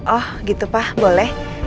oh gitu pak boleh